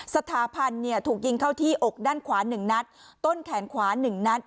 สถาพันธ์เนี่ยถูกยิงเข้าที่อกด้านขวานหนึ่งนัดต้นแขนขวานหนึ่งนัด